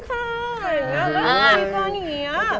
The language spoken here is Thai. พี่หน่อยสวัสดีค่ะอย่างเงี้ย